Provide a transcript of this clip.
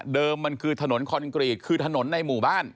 มันคือถนนคอนกรีตคือถนนในหมู่บ้าน